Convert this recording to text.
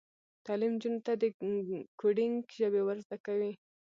تعلیم نجونو ته د کوډینګ ژبې ور زده کوي.